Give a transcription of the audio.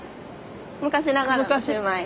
「昔ながらのシウマイ」